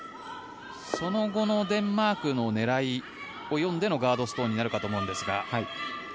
その後のデンマークの狙いを読んでのガードストーンになるかと思うんですが。